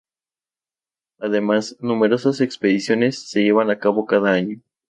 Además, numerosas expediciones se llevan a cabo cada año.